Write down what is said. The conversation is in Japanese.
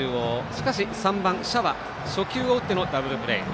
しかし３番、謝初球を打ってのダブルプレー。